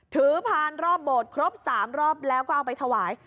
พานรอบโบสถ์ครบ๓รอบแล้วก็เอาไปถวาย